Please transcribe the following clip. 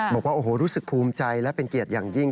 บอกว่าโอ้โหรู้สึกภูมิใจและเป็นเกียรติอย่างยิ่ง